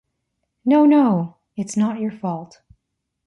No no! it's not your fault.